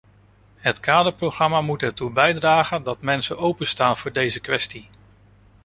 Het kaderprogramma moet ertoe bijdragen dat mensen openstaan voor deze kwestie.